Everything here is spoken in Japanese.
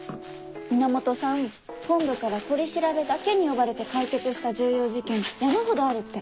源さん本部から取り調べだけに呼ばれて解決した重要事件山ほどあるって。